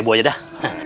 lima puluh aja dah